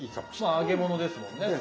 まあ揚げ物ですもんね。